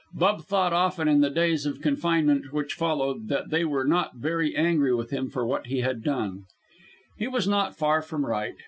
Bub thought often in the days of confinement which followed, that they were not very angry with him for what he had done. He was not far from right.